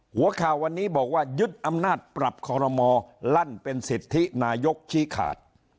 หัวข่าววันนี้บอกว่ายึดอำนาจปรับคอรมอลลั่นเป็นสิทธินายกชี้ขาด